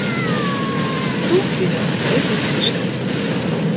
Doe wie dat in heel lyts húske.